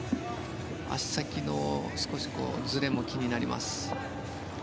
足先のずれも気になります。